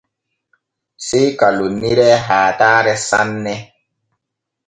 Sey ka lonniree haatare sanne.